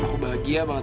aku bahagia banget